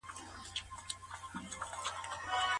د ماشوم د لوبو وروسته پاکوالی وکړئ.